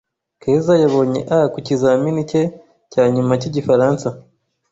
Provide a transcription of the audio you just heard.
Keza yabonye A ku kizamini cye cya nyuma cyigifaransa.